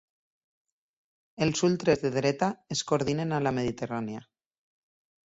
Els ultres de dreta es coordinen a la Mediterrània